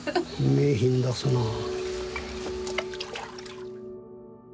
名品ですなあ。